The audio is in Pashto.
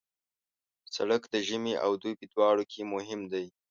سړک د ژمي او دوبي دواړو کې مهم دی.